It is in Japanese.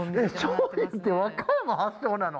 しょうゆって和歌山発祥なの？